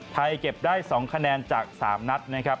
เก็บได้๒คะแนนจาก๓นัดนะครับ